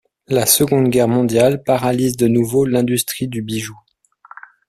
La Seconde Guerre mondiale paralyse de nouveau l'industrie du bijou.